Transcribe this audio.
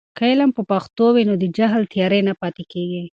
که علم په پښتو وي، نو د جهل تیارې نه پاتې کیږي.